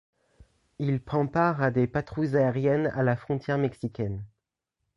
Il prend part à des patrouilles aériennes à la frontière mexicaine.